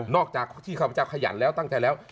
อกจากที่ข้าพเจ้าขยันแล้วตั้งใจแล้ว